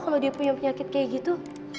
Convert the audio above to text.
kalau dia punya penyakit kayak gitu